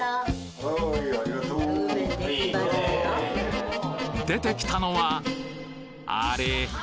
・はいありがとう・出てきたのはあれ？